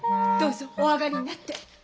どうぞお上がりになって。